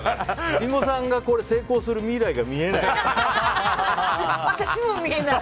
リンゴさんがこれ成功する未来が私も見えない。